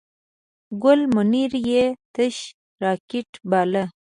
ګل منیر یې تش راکات باله.